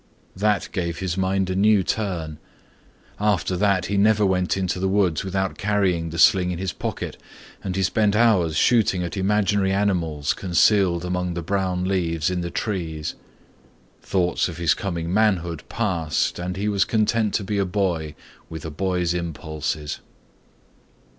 That gave his mind a new turn. After that he never went into the woods without carrying the sling in his pocket and he spent hours shooting at imaginary animals concealed among the brown leaves in the trees. Thoughts of his coming manhood passed and he was content to be a boy with a boy's impulses.